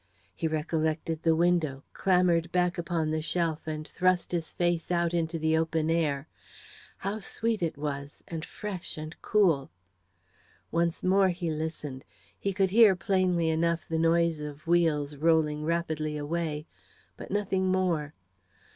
He recollected the window clambered back upon the shelf, and thrust his face out into the open air. How sweet it was! and fresh, and cool! Once more he listened. He could hear, plainly enough, the noise of wheels rolling rapidly away, but nothing more.